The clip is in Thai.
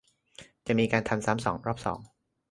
จะมีการทำซ้ำรอบสอง